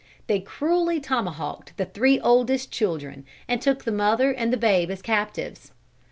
They cruelly tomahawked the three oldest children, and took the mother and the babe as captives.